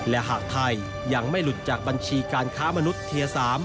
และหากไทยยังไม่หลุดจากบัญชีการค้ามนุษย์เทียร์๓